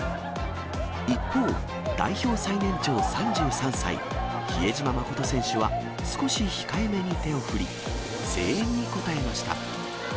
一方、代表最年長、３３歳、比江島慎選手は、少し控えめに手を振り、声援に応えました。